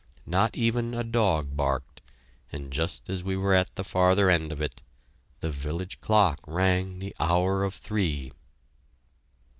Not even a dog barked, and just as we were at the farther end of it, the village clock rang the hour of three!